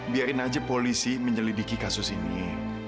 biarin aja polisi menyelidiki kasus ini